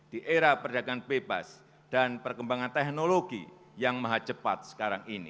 di era perdagangan bebas dan perkembangan teknologi yang maha cepat sekarang ini